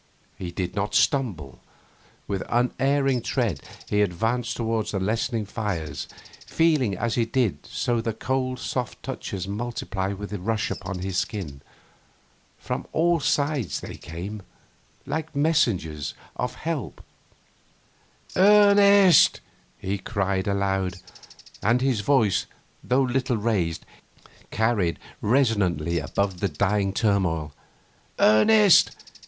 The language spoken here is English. He did not stumble. With unerring tread he advanced towards the lessening fires, feeling as he did so the cold soft touches multiply with a rush upon his skin. From all sides they came by hundreds, like messengers of help. 'Ernest!' he cried aloud, and his voice, though little raised, carried resonantly above the dying turmoil; 'Ernest!